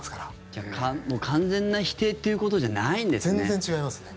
じゃあ完全な否定ということじゃないんですね。